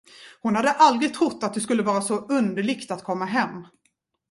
Hon hade aldrig trott att det skulle vara så underligt att komma hem.